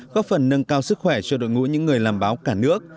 góp phần nâng cao sức khỏe cho đội ngũ những người làm báo cả nước